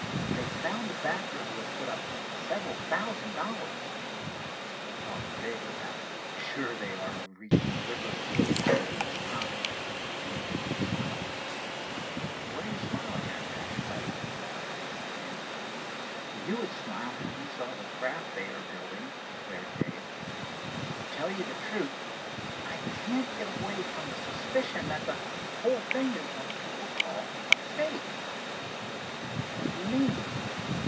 "They've found a backer who has put up several thousand dollars. They talk big of how sure they are of reaching Liverpool in a week's time," and Dave smiled. "What are you smiling at, Dashaway?" inquired Mr. King. "You would smile if you saw the craft they are building," declared Dave. "To tell you the truth, I can't get away from the suspicion that the whole thing is what people call a fake." "What do you mean?"